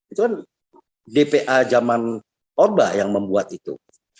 itu kan dpa zaman orba yang membuat itu